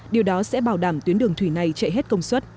điều đó sẽ bảo đảm tuyến đường thủy này chạy hết công suất